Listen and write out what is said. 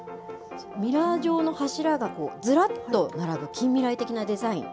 ミラー状の柱がずらっと並ぶ近未来的なデザイン。